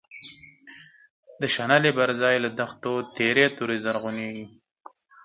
د شنلی بر ځای له دښتو، تیری توری زرعونیږی